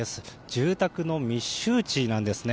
住宅の密集地なんですね。